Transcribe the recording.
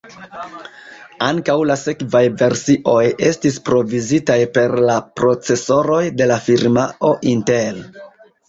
Ankaŭ la sekvaj versioj estis provizitaj per la procesoroj de la firmao Intel.